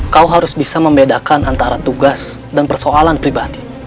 kau harus bisa membedakan antara tugas dan persoalan pribadi